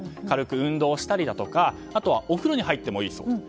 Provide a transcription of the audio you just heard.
軽く運動したりだとかあとはお風呂に入ってもいいそう。